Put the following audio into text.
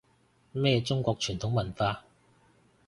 咩中國傳統文化